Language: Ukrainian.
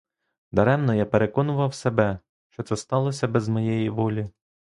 Даремно я переконував себе, що це сталося без моєї волі.